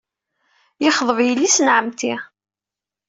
Yexḍeb yelli-s n ɛemmti.